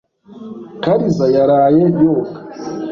Kariza yaraye yoga.